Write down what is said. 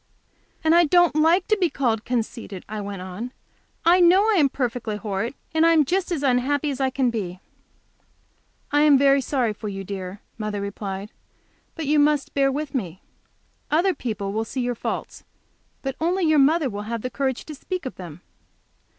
"And I don't like to be called conceited," I went on. "I know I am perfectly horrid, and I am just as unhappy as I can be." "I am very sorry for you, dear," mother replied. "But you must bear with me. Other people will see your faults, but only your mother will have the courage to speak of them.